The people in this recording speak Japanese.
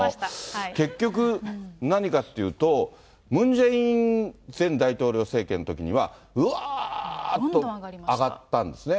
結局、何かというと、ムン・ジェイン前大統領政権のときには、うわーっと上がったんですね。